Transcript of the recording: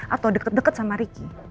atau deket deket sama ricky